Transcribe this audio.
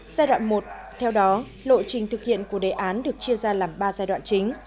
giai đoạn một theo đó lộ trình thực hiện của đề án được chia ra làm ba giai đoạn chính